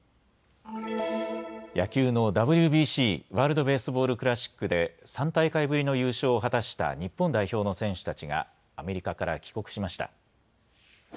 野球のＷＢＣ・ワールドベースボールクラシックで、３大会ぶりの優勝を果たした日本代表の選手たちが、アメリカから帰国しました。